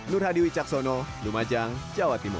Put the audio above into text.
nur hadiwi caksono lumajang jawa timur